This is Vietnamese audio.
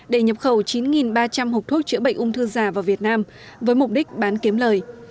để nhập khẩu chín ba trăm linh hộp thuốc chữa bệnh ung thư giả vào việt nam với mục đích bán kiếm lời